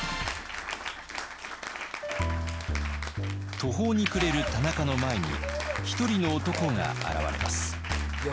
途方に暮れる田中の前に一人の男が現れます。